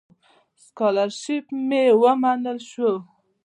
سکالرشیپ مې ومنل شو.